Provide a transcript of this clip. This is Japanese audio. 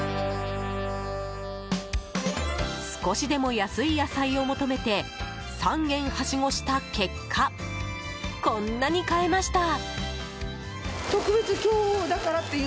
少しでも安い野菜を求めて３軒はしごした結果こんなに買えました。